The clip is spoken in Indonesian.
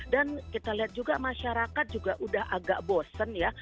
dan kita lihat juga masyarakat juga udah agak bosen ya